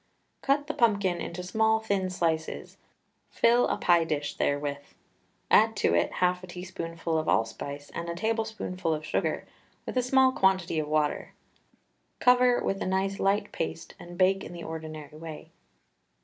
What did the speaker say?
Cut the pumpkin into small, thin slices, fill a pie dish therewith, add to it half a teaspoonful of allspice and a tablespoonful of sugar, with a small quantity of water. Cover with a nice light paste and bake in the ordinary way.